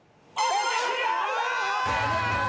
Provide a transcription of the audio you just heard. やった！